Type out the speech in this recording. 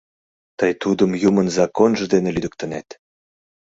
Тый тудым юмын законжо дене лӱдыктынет!..